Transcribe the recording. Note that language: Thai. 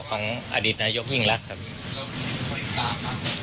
ของอดีตนายกยิ่งรักครับ